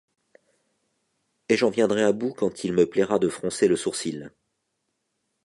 Et j’en viendrai à bout quand il me plaira de froncer le sourcil.